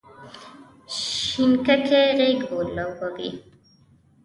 شینککۍ غیږ لوبوې،